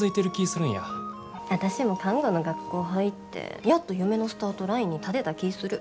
私も看護の学校入ってやっと夢のスタートラインに立てた気ぃする。